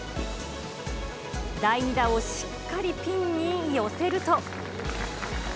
第２打をしっかりピンに寄せると。